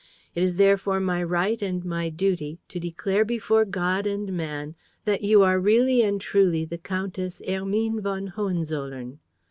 It is therefore my right and my duty to declare before God and man that you are really and truly the Countess Hermine von Hohenzollern.